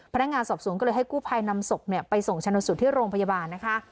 พนักงานสอบสูงก็เลยให้กู้ภัยนำศพเนี่ยไปส่งชาญสุทธิ์ที่โรงพยาบาลนะคะ